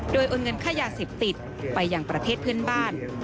โดยโอนเงินค่ายาเสพติดไปอย่างประเทศเพื่อนบ้าน